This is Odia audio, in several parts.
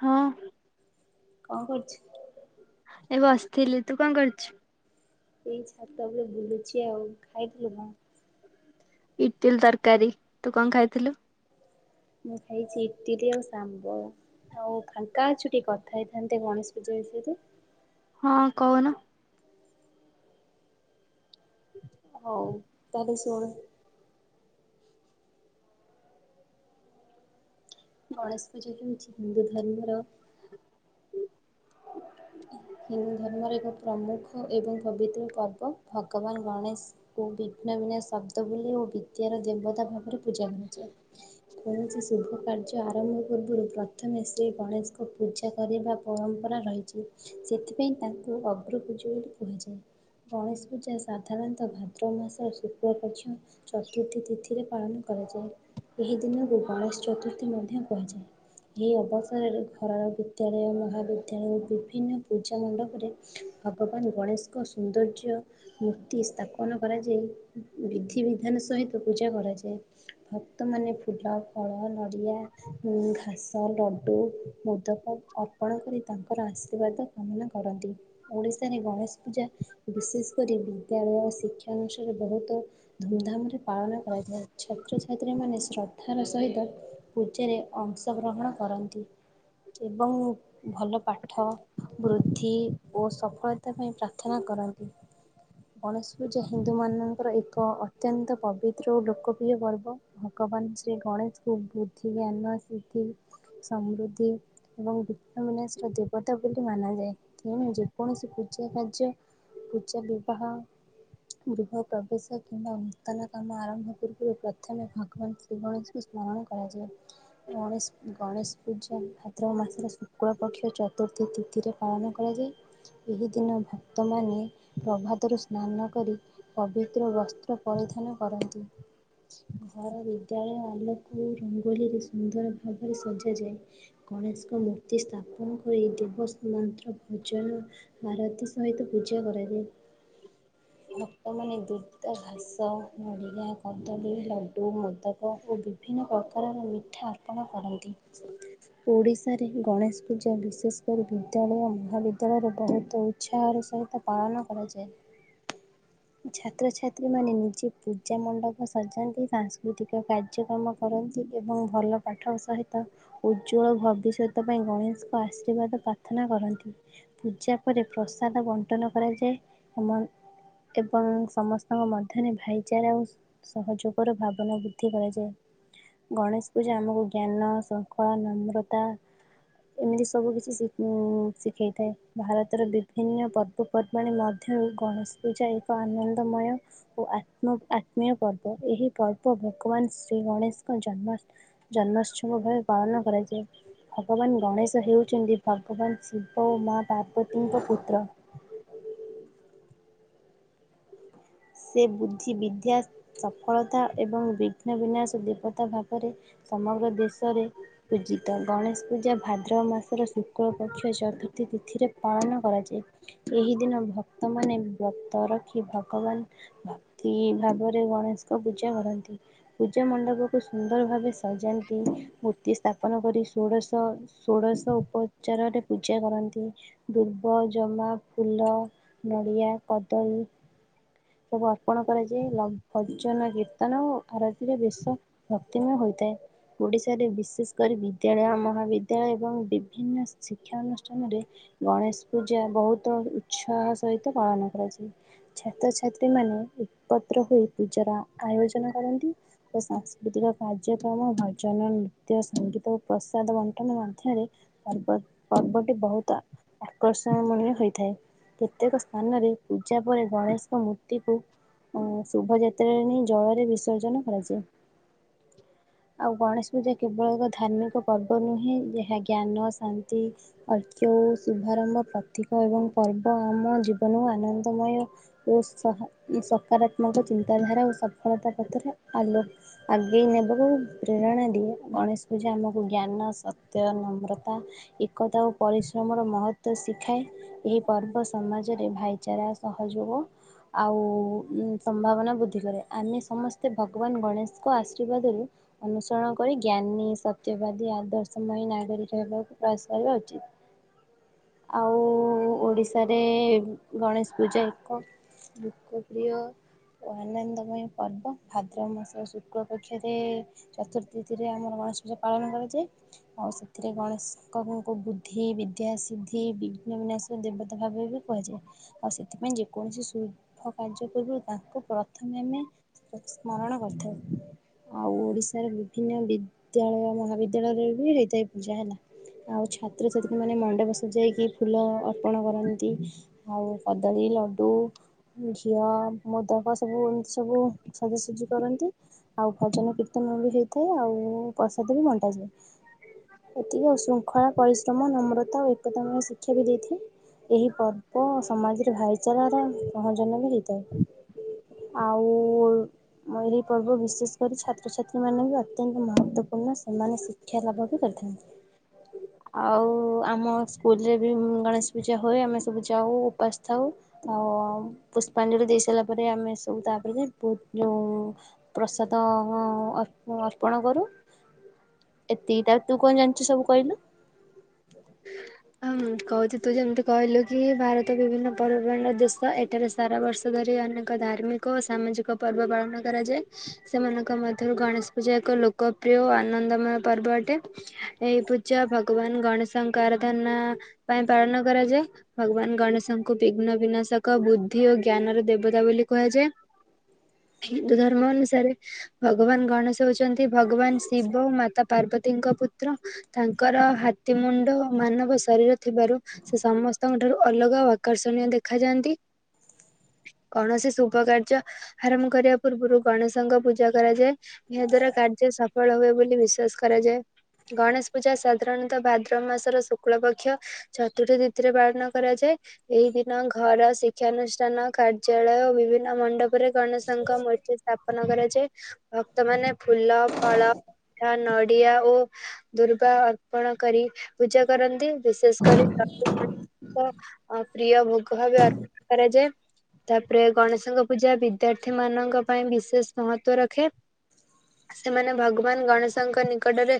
ହଁ। କଣ କରୁଛୁ? ଏ ବସଥିଲି ତୁ କଣ କରୁଛୁ? ଏଇ ଛାତ ଉପରେ ବୁଲୁଛି ଆଉ। ଖାଇଥିଲୁ କଣ? ଇଟିଲ ତରକାରୀ। ତୁ କଣ ଖାଇଥିଲୁ? ମୁ ଖାଇଛି ଇଟିଲି ଆଉ ସାମ୍ବର। ଆଉ ଫାଙ୍କା ଅଛୁ କି କଥା ହେଇଥାନ୍ତେ ଗଣେଶ ପୂଜା ବିଷୟରେ? ହଁ କହୁନ। ହଉ ତାହେଲେ ଶୁଣି ଗଣେଶ ପୂଜା ହେଉଛି ହିନ୍ଦୁ ଧର୍ମର ହିନ୍ଦୁ ଧର୍ମର ଏକ ପ୍ରମୁଖ ଏବଂ ପବିତ୍ର ପର୍ବ। ଭଗବାନ ଗଣେଶ ଓ ବିଘ୍ନବିନା ଶବ୍ଦ ବୋଲି ଓ ବିଦ୍ୟାର ଦେବତା ଭାବରେ ପୂଜା କରାଯାଏ। କୌଣସି ଶୁଭ କାର୍ଯ୍ୟ ଆରମ୍ଭ ପୂର୍ବରୁ ପ୍ରଥମେ ଶ୍ରୀ ଗଣେଶକ ପୂଜା କରିବା ପରମ୍ପରା ରହିଛି। ସେଥିପାଇଁ ତାଙ୍କୁ ଅଗ୍ରପୂଜ୍ୟ ବୋଲି କୁହାଯାଏ। ଗଣେଷ ପୂଜା ସାଧାରଣତଃ ଭାଦ୍ରବ ମାସ ଶୁକ୍ଳପକ୍ଷ ଚତୁର୍ଥୀ ତିଥିରେ ପାଳନ କରାଯାଏ। ଏହି ଦିନକୁ ଗଣେଷ ଚତୁର୍ଥୀ ମଧ୍ୟ କୁହାଯାଏ। ଏହି ଅବସରରେ ଘରର ବିଦ୍ୟାଳୟ ମହାବିଦ୍ୟାଳୟ ଓ ବିଭି ବିଭିନ୍ନ ପୂଜା ମଣ୍ଡପରେ ଭଗବାନ ଗଣେଷଙ୍କ ସୌନ୍ଦର୍ଯ୍ୟ ମୂର୍ତ୍ତି ସ୍ଥାପନ କରାଯାଇ ବିଧିବିଧାନ ସହିତ ପୂଜା କରାଯାଏ। ଭକ୍ତମାନେ ଫୁଲ, ଫଳ, ନଡିଆ ଘାସ, ଲଡ଼ୁ, ମୁଦକ ଅର୍ପଣ କରି ତାଙ୍କର ଆସ ଆଶୀର୍ବାଦ କାମନା କରନ୍ତି। ଓଡ଼ିଶାରେ ଗଣେଶ ପୂଜା ବିଶେଷ କରି ବିଦ୍ୟାଳୟ, ଶିକ୍ଷାନୁଷ୍ଠାନରେ ବହୁତ ଧୂମଧାମ ରେ ପାଳନ କରାଯାଏ। ଛାତ୍ରଛାତ୍ରୀ ମାନେ ଶ୍ରଦ୍ଧାର ସହିତ ପୂଜାରେ ଅଂଶଗ୍ରହଣ କରନ୍ତି ଏବଂ ଭଲ ପାଠ ବୃଦ୍ଧି ଓ ସଫଳତା ପାଇଁ ପ୍ରାର୍ଥନା କରନ୍ତି। ଗଣେଶ ପୂଜା ହିନ୍ଦୁମାନଙ୍କର ଏକ ଅତ୍ୟନ୍ତ ପବିତ୍ର ଓ ଲୋକପ୍ରିୟ ପର୍ବ। ଭଗବାନ ଶ୍ରୀ ଗଣେଶ କୁ ବୁଦ୍ଧି, ଜ୍ଞାନ, ସିିଦ୍ଧି ସମୃଦ୍ଧି ଏବଂ ବିଘ୍ନ ବିନାଶର ଦେବ ତା ବୋଲି ମନାଯାଏ। ତେଣୁ, ଯେକୌଣସି ପୂଜା କାର୍ଯ୍ୟ, ପୂଜା ବିବାହ ଗୃହପ୍ରବେଶ କିମ୍ବା ନୂତନ କାମ ଆରମ୍ଭ ପୂର୍ବରୁ ପ୍ରଥମେ ଭଗବାନ ଶ୍ରୀ ଶ୍ରୀ ଗଣେଶ ଙ୍କୁ ସ୍ମରଣ କରାଯାଏ। ଗଣେଶ ଗଣେଶ ପୂଜା ଭାଦ୍ରବ ମାସର ଶୁକ୍ଳପକ୍ଷ ଚତ୍ ପ୍ରତି ତିଥିରେ ପାଳନ କରାଯାଏ। ଏହି ଦିନ ଭକ୍ତମାନେ ପ୍ରଭାତରୁ ସ୍ନାନ କରି ପବିତ୍ ନୂତନ ବସ୍ତ୍ର ପରିଧାନ କରନ୍ତି। ଘର, ବିଦ୍ୟାଳୟ ଆଲୋକ ଆଉ ରଙ୍ଗୋଲିରେ ସୁନ୍ଦର ଭାବରେ ସଜାଯାଏ। ଗଣେଶଙ୍କ ମୂର୍ତ୍ତି ସ୍ଥାପନ ଏହି ଦିବସ ମନ୍ତ୍ର ଭଜନ ଆରତୀ ସହିତ ପୂଜା କରାଯାଏ। ଭକ୍ତମାନେ ଦୁର୍ତ ଦାର୍ ସହ ନଡ଼ିଆ, କଦଳୀ, ଲଡୁ, ମୁଦକ ଓ ବିଭିନ୍ନ ପ୍ରକାରର ମିଠା ପଣ କରନ୍ତି। ଓଡ଼ିଶାରେ ଗଣେଶ ପୂଜା ବିଶ୍ ବିଶେଷ କରି ବିଦ୍ୟାଳୟ, ମହାବିଦ୍ୟାଳୟରେ ବହୁତ ଉତ୍ସାହର ସହିତ ପାଳନ କରାଯାଏ। ଛାତ୍ରଛାତ୍ରୀମାନେ ନିଜେ ପୂଜା ମଣ୍ଡପ ସଜାନ୍ତି, ସାଂସ୍କୃତିକ କାର୍ଯ୍ୟକ୍ରମ କରନ୍ତି ଏବଂ ଭଲ ପାଠ ସହିତ ଉଜ୍ଜ୍ୱଳ ଭବିଷ୍ୟତ ପାଇଁ ଗଣେଶଙ୍କ ଆଶୀର୍ବାଦ ପ୍ରାର୍ଥନା କରନ୍ତି। ପୂଜା ପରେ ପ୍ରସାଦ ବଣ୍ଟନ କରାଯାଏ ଏବଂ- ଏବଂ ସମସ୍ତଙ୍କ ମଧ୍ୟରେ ଭାଇଚାରା ଆଉ- ସହଯୋଗର ଭାବନା ବୃଦ୍ଧି କରାଯାଏ। ଗଣେଶ ପୂଜା ଆମକୁ ଜ୍ଞାନ, ଶୃଙ୍ଖଳା, ନମ୍ରତା। ଏମିତି ସବୁ କିିଛିି ଶିଖେ ଶିଖେଇଥାଏ ଭାରତର ବିଭିନ୍ନ ପର୍ବ। ପର୍ବାଣୀ ମଧ୍ୟରୁ ଗଣେଶ ପୂଜା ଏ- ଏକ ଆନନ୍ଦମୟ ଓ ଆତ୍ମ ଆତ୍ମୀୟ ପର୍ବ। ଏହି ପର୍ବ ଭଗବାନ ଶ୍ରୀ ଗଣେଶଙ୍କ ଜନ୍ମୋତ୍ସବ ଜନ୍ମୋତ୍ସବ ଭାବେ ପାଳନ କରାଯାଏ। ଭଗବାନ ଗଣେଶ ହେଉଛନ୍ତି- ଭଗବାନ ଶିବ ଓ ମା ପାର୍ବତୀଙ୍କ ପୁତ୍ର। ସେ ବୁଦ୍ଧି, ବିଦ୍ୟା, ସଫଳତା ଏବଂ ବିଘ୍ନ ବିନାଶ ଦେବତା ଭାବରେ- ସମଗ୍ର ଦେଶରେ ପୂଜିତ। ଗଣେଶ ପୂଜା ଭାଦ୍ରବ ମାସର ଶୁ- ଶୁକ୍ଳ ପକ୍ଷ ଚତୁର୍ଥୀ ତିଥିରେ ପାଳନ କରାଯାଏ। ଏହି ଦିନ ଭକ୍- ଭକ୍ତମାନେ ବ୍ରତ ରଖି ଭଗବାନ। ଭକ୍ତି ଭାବରେ ଗଣେଶଙ୍କ ପୂଜା କରନ୍ତି। ପୂଜା ମଣ୍ଡପକୁ ସୁନ୍ଦର ଭାବେ ସ- ସଜାନ୍ତି। ମୂର୍ତ୍ତି ସ୍ଥା- ସ୍ଥାପନ କରି ଷୋଡ଼ଶ ଷୋଡ଼ଶ ଉପଚାରରେ ପୂଜା କରନ୍ତି। ଦୁବ, ଜମା, ଫୁଲ, ନଡ଼ିଆ, କଦଳୀ। ସବୁ ଅର୍ପଣ କରାଯାଏ। ଲମ୍- ଭଜନ, କୀର୍ତ୍ତନ ଓ ଆରତିରେ ବେଶ ଭକ୍ତିମୟ ହୋଇଥାଏ। ଓଡ଼ିଶାରେ ବିଶେଷ କରି ବିଦ୍ୟାଳୟ, ମହାବିଦ୍ୟାଳୟ ଏବଂ- ବିଭିନ୍ନ ଶିକ୍ଷା ଆନୁଷ୍ଠାନରେ। ଗଣେଶ ପୂଜା ବହୁତ ଉତ୍ସାହ ସହିତ ପାଳନ କରାଯାଏ। ଛାତ୍ରଛାତ୍ରୀ ଛାତ୍ରୀମାନେ ଏକତ୍ର ହୋଇ ପୂଜାର ଆୟୋଜନ କରନ୍ତି। ଓ ସାଂସ୍କୃତିକ କାର୍ଯ୍ୟକ୍ରମ, ଭଜନ, ନୃତ୍ୟ, ସଙ୍ଗୀତ ଓ ପ୍ରସାଦ ବଣ୍ଟନ ମଧ୍ୟରେ- ପର୍ବ ପର୍ବଟି ବହୁତ ଆକର୍ଷଣମଣୀରେ ହୋଇଥାଏ। କେତେକ ସ୍ଥାନରେ- ପୂଜା ପରେ ଗଣେଶଙ୍କ ମୂର୍ତ୍ତିକୁ ଶୁଭଯାତ୍ର [unintelligible] ଜଳରେ ବିସର୍ଜନ କରାଯାଏ। ଆଉ ଗଣେଶ ପୂଜା କେବଳ ଏକ ଧାର୍ମିକ ପର୍ବ ନୁହେଁ ଯାହା ଜ୍ଞାନ ଶାନ୍ତି ଅର୍କ୍ୟ ଓ ଶୁଭାରମ୍ଭ ପ୍ରତୀକ ଏବଂ ପର୍ବ ଆମ ଜୀବନକୁ ଆନନ୍ଦମୟ ଓ ସହଁ ସକାର ମୋର ଚିନ୍ତାଧାରା ଓ ସଫଳତା ପଥରେ ଆଲୋକ ଆଗେଇ ନେବାକୁ ପ୍ରେରଣା ଦିଏ ଗଣେଶ ପୂଜା ଆମକୁ ଜ୍ଞାନ ସତ୍ୟ ନମ୍ରତା ତା ଏକତା ଓ ପରିଶ୍ରମର ମହତ୍ତ୍ଵ ଶିଖାଏ। ଏହି ପର୍ବ ସମାଜରେ ଭାଇଚାରା ସହଯୋଗ ଆଉ ସମ୍ଭାବନା ବୃଦ୍ଧି କରେ ଆମେ ସମସ୍ତେ ଭଗବାନ ଗଣେଶଙ୍କ ଆଶୀର୍ବାଦରୁ ଅନୁସରଣ କରି ଜ୍ଞାନୀ ସତ୍ୟବାଦୀ ଆଦର୍ଶମୟୀ ନାଗରିକ ହେବାକୁ ପ୍ରୟାସ କରିବା ଉଚିତ୍ ଆଉ ଓଡିଶାରେ ଗଣେଶ ପୂଜା ଏକ ଲୋକପ୍ରିୟ ଓ ଆନନ୍ଦମୟ ପର୍ବ ଭାଦ୍ରବ ମାସ ଶୁକ୍ଳ ପକ୍ଷରେ ଚତୁର୍ଥୀ ତିଥିରେ ଆମର ଗଣେଶ ପୂଜା ପାଳନ କରାଯାଏ। ଆଉ ସେଥିରେ ଗଣେଶଙ୍କୁ ବୁଦ୍ଧି, ବିଦ୍ୟା, ସଦ୍ଧି, ବିଘ୍ନ, ବିନାଶ ଦେବତା ଭାବେ ବି। କୁହାଯାଏ ଆଉ ସେଥିପାଇଁ ଯେ କୌଣସି ଶୁଭ କାର୍ଯ୍ୟ ପୂର୍ବରୁ ତାଙ୍କୁ ପ୍ରଥମେ ଆମେ ସ୍ମରଣ କରିଥାଉ। ଆଉ ଓଡିଶାର ବିଭିନ୍ନ ବିଦ୍ୟାଳୟ ମହାବିଦ୍ୟାଳୟରେ ବି ହେଇଥାଏ ପୂଜା ହେଲା। ଆଉ ଛାତ୍ରଛାତ୍ରୀମାନେ ମଣ୍ଡପ ସଜାଇକି ଫୁଲ ଅର୍ପଣ କରନ୍ତି ଆଉ କଦଳୀ ଲଡ଼ୁ ଘିଅ ମୋଦକ ସବୁ ଏମିତି ସବୁ ସାଜସଜି କରନ୍ତି। ଆଉ ଭଜନ କୀର୍ତ୍ତନ ବି ହେଇଥାଏ ଆଉ ପ୍ରସାଦ ବି ବଣ୍ଟାଯାଏ, ଏତିକି ଶୃଙ୍ଖଳା ପରିସ ତମ ନମ୍ରତା ଓ ଏକତାମ ଶିକ୍ଷା ବି ଦେଇଥାଏ। ଏହି ପର୍ବ ସମାଜରେ ଭାଇଚାରାର ସହଜନ ବି ହେଇଥାଏ। ଆଉ ମ ଏହିଁ ପର୍ବ ବିଶେଷ କରି ଛାତ୍ରଛାତ୍ରୀ ମାନେ ବି ଅତ୍ୟନ୍ତ ମହତବପୂର୍ଣ୍ଣ ସେମାନେ ଶିକ୍ଷା ଲାଭ ବି କରିଥାନ୍ତି। ଆଉ ଆମ ସ୍କୁଲରେ ବି ଗଣେଶ ପୂଜା ହୁଏ ଆମେ ସବୁ ଯାଉ ଉପାସ ଥାଉ। ଆଉ ପୁଷ୍ପାଞ୍ଜଳି ଦେଇ ସାରିଲା ପରେ ଆମେ ସବୁ ତାପରେ ବହୁତ୍ ଯୋଉ ପ୍ରସାଦ ଅର୍ପ ଅର୍ପଣ କରୁ। ଏତିକି ଟା ତୁ କଣ ଜାଣିଚୁ ସବୁ କହିଲୁ? ହଁ କହୁଚି ତୁ ଯେମିତି କହିଲୁ କି ଭାରତ ବିଭିନ୍ନ ପର୍ବପର୍ବାଣିର ଦେଶ ଏଠାରେ ସେ ସାରା ବର୍ଷ ଧରି ଅନେକ ଧାର୍ମିକ ଓ ସାମାଜିକ ପର୍ବ ପାଳନ କରାଯାଏ। ସେମାନଙ୍କ ମଧ୍ୟରୁ ଗଣେଶ ପୂଜା ଏକ ଲୋକପ୍ରିୟ ଓ ଆନନ୍ଦମୟ ପର୍ବ ଅଟେ। ଏଇ ପୂଜା ଭଗବାନ ଗଣେଶ ତାଙ୍କ ଆରଧନା ପାଇଁ ପାଳନ କରାଯାଏ। ଭଗବାନ ଗଣେଶଙ୍କୁ ବିଘ୍ନ ବିନାଶକ ବୁଦ୍ଧି ଓ ଜ୍ଞାନର ଦେବତା ବୋଲି କୁହାଯାଏ। ହିନ୍ଦୁ ଧର୍ମ ଅନୁସାରେ ଭଗବାନ ଗଣେଶ ହଉଚନ୍ତି ଭଗବାନ ଶିବ ମାତା ପାର୍ବତୀଙ୍କ ପୁତ୍ର ତାଙ୍କର ହାତୀ ମୁନ ଣ୍ଡ ମାନବ ଶରୀର ଥିବାରୁ ସେ ସମସ୍ତଙ୍କ ଠାରୁ ଅଲଗା ଆଉ ଆକର୍ଷଣୀୟ ଦେଖାଯାଆନ୍ତି। କୌଣସି ଶୁଭକାର୍ଯ୍ୟ ଆରମ୍ଭ କରିବା ପୂର୍ବରୁ ଗଣେଶଙ୍କ ପୂଜା କରାଯାଏ। ଏହା ଦ୍ଵାରା କାର୍ଯ୍ୟ ସଫଳ ହୁଏ ବୋଲି ବିଶ୍ଵାସ କରାଯାଏ, ଗଣେଶ ପୂଜା ସାଧାରଣତଃ ବାଦ ଦ୍ରବ ମାସର ଶୁକ୍ଳ ପକ୍ଷ ଚତୁର୍ଥୀ ତିଥିରେ ପାଳନ କରାଯାଏ। ଏହି ଦିନ ଘର, ଶିକ୍ଷାନୁଷ୍ଠାନ, କାର୍ଯ୍ୟାଳୟ ଓ ବିଭିନ୍ନ ମଣ୍ଡପରେ ଗଣେଶଙ୍କ ମୂର୍ତ୍ତି ସ୍ଥାପନ କରାଯାଏ। ଭକ୍ତ ମାନେ ଫୁଲ, ଫଳ, ପିଠା, ନଡିଆ ଓ ଦୁର୍ଗା ଅର୍ପଣ କରି ପୂଜା କରନ୍ତି ବିଶେଷ କରି ଅ ପ୍ରିୟ ଭୋଗ ଭାବେ ଅର୍ପଣ କରାଯାଏ। ତାପରେ ଗଣେଶଙ୍କ ପୂଜା ବିଦ୍ୟାର୍ଥୀ ମାନଙ୍କ ପାଇଁ ବିଶେଷ ମହତ୍ତ୍ଵ ରଖେ। ସେମାନେ ଭଗବାନ ଗଣେଶଙ୍କ ନିକଟରେ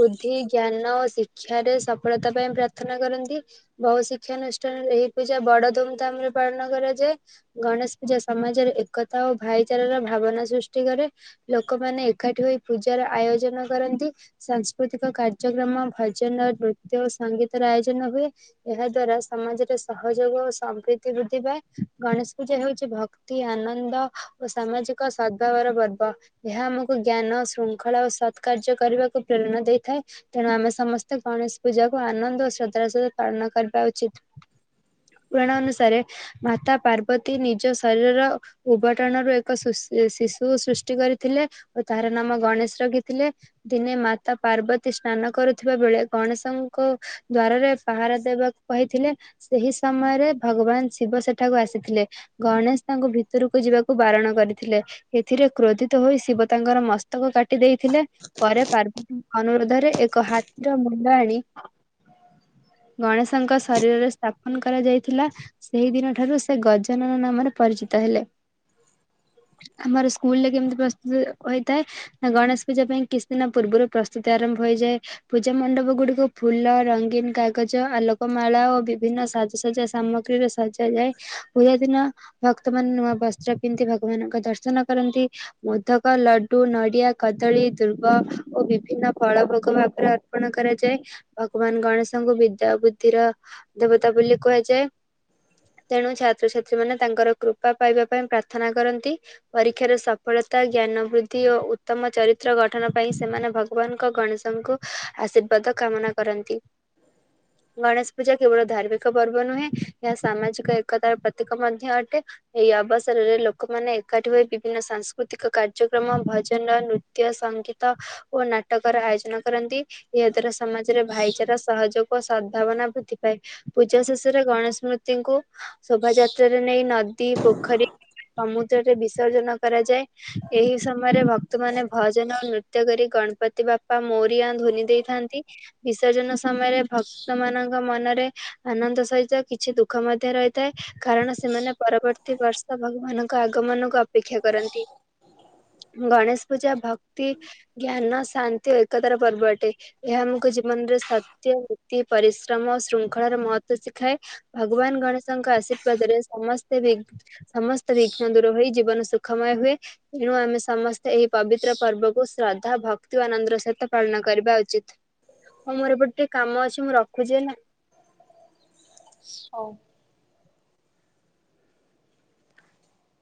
ବୁଦ୍ଧି, ଜ୍ଞାନ ଓ ଶିକ୍ଷ କ୍ଷାରେ ସଫଳତା ପାଇଁ ପ୍ରାର୍ଥନା କରନ୍ତି। ବହୁ ଶିକ୍ଷାନୁଷ୍ଠାନରେ ଏହି ପୂଜା ବଡ ଧୁମ ଧାମ ରେ ପାଳନ କରାଯାଏ। ଗଣେଶ ପୂଜା ସମାଜରେ ଏକତା ଓ ଭାଇଚାରାର ଭାବନା ସୃଷ୍ଟି କରେ। ଲୋକମାନେ ଏକାଠି ହୋଇ ପୂଜାର ଆୟୋଜନ କରନ୍ତି ସାଂସ୍କୃତିକ କାର୍ଯ୍ୟକ୍ରମ ଭ ଜନ ନୃତ୍ୟ ଓ ସଙ୍ଗୀତର ଆୟୋଜନ ହୁଏ। ଏହା ଦ୍ଵାରା ସମାଜରେ ସହଯୋଗ ଓ ସମପ୍ରୀତି ବୃଦ୍ଧି ପାଏ। ଗଣେଶ ପୂଜା ହଉଛି ଭକ୍ ତି ଆନନ୍ଦ ଓ ସାମାଜିକ ସଦ [unintelligible] ର ପର୍ବ। ଏହା ଆମକୁ ଜ୍ଞାନ ଶୃଙ୍ଖଳା ଓ ସତ୍କାର୍ଯ୍ୟ କରିବାକୁ ପ୍ରେରଣା ଦେଇଥାଏ। ତେଣୁ ଆମେ ସମସ୍ତେ ଗଣେଶ ପୂଜାକୁ ଆନନ୍ଦ ଓ ଶ୍ରଦ୍ଧାର ସହିତ ପାଳନ କରିବା ଉଚିତ୍। ପୁରାଣ ଅନୁସାରେ ମାତା ପାର୍ବତୀ ନିଜ ଶରୀରର ଉଭଟାଣରୁ ଏକ ଏକ ସୁସ୍ ଶିଶୁ ସୃଷ୍ଟି କରିଥିଲେ ଓ ତାର ନାମ ଗଣେଶ ରଖିଥିଲେ। ଦିନେ ମାତା ପାର୍ବତୀ ସ୍ନାନ କରୁ ଥିବା ବେଳେ ଗଣେଶଙ୍କ ଦ୍ଵାରରେ ପହାରା ଦେବାକୁ କହିଥିଲେ। ସେହି ସମୟରେ ଭଗବାନ ଶିବ ସେଠାକୁ ଆସିଥିଲେ। ଗଣେଶ ତାଙ୍କୁ ଭିତରକୁ ଯିବାକୁ ବାରଣ କରି ଥିଲେ ଏଥିରେ କ୍ରୋଧିତ ହୋଇ ଶିବ ତାଙ୍କର ମସ୍ତକ କାଟି ଦେଇଥିଲେ। ପରେ ପାର୍ବତୀଙ୍କ ଅନୁରୋଧରେ ଏକ ହାତୀ ମୁଣ୍ଡ ଆଣି ଗଣେଶଙ୍କ ଶରୀରରେ ସ୍ଥାପନ କରାଯାଇଥିଲା। ସେଇ ଦିନ ଠାରୁ ସେ ଗଜାନନ ନାମରେ ପରିଚିତ ହେଲେ। ଆମର ସ୍କୁଲ ରେ କେମିତି ପ୍ରସ୍ତୁତ ହୋଇଥାଏ? ନା ଗଣେଶ ପୂଜା ପାଇଁ କିଛି ଦିନ ପୂର୍ବରୁ ପ୍ରସ୍ତୁତି ଆରମ୍ଭ ହୋଇଯାଏ। ପୂଜା ମଣ୍ଡପ ଗୁଡିକୁ ଫୁଲ, ରଙ୍ଗୀନ କାଗଜ, ଆଲୋକମାଳା ଓ ବିଭିନ୍ନ ସାଜସଜା ସାମଗ୍ରୀ ରେ ସଜା ଯାଏ ପୂଜା ଦିନ ଭକ୍ତମାନେ ନୂଆ ବସ୍ତ୍ର ପିନ୍ଧି ଭଗବାନଙ୍କ ଦର୍ଶନ କରନ୍ତି। ମୋଦକ, ଲଡୁ, ନଡିଆ, କଦଳୀ, ଦୁର୍ବ ଓ ବିଭିନ୍ନ ଫଳଭୋଗ ଭାବରେ ଅର୍ପଣ କରାଯାଏ ଭଗବାନ ଗଣେଶଙ୍କୁ ବିଦ୍ୟା ବୁଦ୍ଧିର ଦେବତା ବୋଲି କୁହାଯାଏ। ତେଣୁ ଛାତ୍ରଛାତ୍ରୀ ମାନେ ତାଙ୍କର କୃପା ପାଇବା ପାଇଁ ପ୍ରାର୍ଥନା କରନ୍ତି। ପରୀକ୍ଷାର ସଫଳତା ଜ୍ଞାନ ବୃଦ୍ଧି ଓ ଉତ୍ତମ ଚରିତ୍ର ଗଠନ ପାଇଁ ସେମାନେ ଭଗବାନଙ୍କ ଗଣେଶ ଙ୍କୁ ଆଶୀର୍ବାଦ କାମନା କରନ୍ତି। ଗଣେଶ ପୂଜା କେବଳ ଧାର୍ମିକ ପର୍ବ ନୁହେଁ ଏହା ସାମାଜିକ ଏକତାର ପ୍ରତୀକ ମଧ୍ୟ ଅଟେ। ଏହି ଅବସରରେ ଲୋକମାନେ ଏକାଠି ହୋଇ ବିଭିନ୍ନ ସାଂସ୍କୃତିକ କାର୍ଯ୍ୟକ୍ରମ ଭଜନ, ନୃତ୍ୟ ନୃତ୍ୟ, ସଙ୍ଗୀତ ଓ ନାଟକର ଆୟୋଜନ କରନ୍ତି। ଏହା ଦ୍ଵାରା ସମାଜରେ ଭାଇଚାରା ସହଯୋଗ, ସଦ୍ଭାବନା ବୃଦ୍ଧି ପାଏ। ପୂଜା ଶେଷରେ ଗଣେଶ ମୂର୍ତ୍ତି ଶୋଭାଯାତ୍ରାରେ ନେଇ ନଦୀ, ପୋଖରୀ, ସମୁ ଦ୍ରରେ ବିସର୍ଜନ କରାଯାଏ। ଏହି ସମୟରେ ଭକ୍ତମାନେ ଭଜନ ଓ ନୃତ୍ୟ କରି ଗଣପତି ବାପା ମୌରିଆ ଧ୍ବନି ଦେଇ ଥାନ୍ତି ବିସର୍ଜନ ସମୟରେ ଭକ୍ତ ମାନଙ୍କ ମନରେ ଆନନ୍ଦ ସହିତ କିଛି ଦୁଃଖ ମଧ୍ୟ ରହିଥାଏ କାରଣ ସେମାନେ ପରବର୍ତ୍ତୀ ପ୍ରତି ବର୍ଷ ଭଗବାନଙ୍କ ଆଗମନକୁ ଅପେକ୍ଷା କରନ୍ତି। ଗଣେଶ ପୂଜା ଭକ୍ତି, ଜ୍ଞାନ, ଶାନ୍ତି ଓ ଏକତାର ପର୍ବ ଅଟେ। ଏହା ଆମକୁ ଜୀବନରେ ସତ୍ୟ, ନୀତି, ପରିଶ୍ରମ ଓ ଶୃଙ୍ଖଳାର ମହତ୍ଵ ଶିଖାଏ। ଭଗବାନ ଗଣେଶଙ୍କ ଆଶୀର୍ବାଦରେ ସମସ୍ତେ ବି ସମସ୍ତେ ବିଘ୍ନ ଦୂର ହୋଇ ଜୀବନ ସୁଖମୟ ହୁଏ ଏଣୁ ଆମେ ସମସ୍ତେ ଏହି ପବିତ୍ର ପର୍ବକୁ ଶ୍ରଦ୍ଧା, ଭକ୍ତି ଓ ଆନନ୍ଦର ସହିତ ପାଳନ କରିବା ଉଚିତ୍। ହଁ ମୋର ଏପଟେ ଟିକେ କାମ ଅଛି ମୁଁ ରଖୁଛି ହେଲା? ହଉ